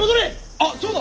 あっそうだ！